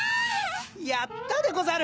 ・・やったでござる！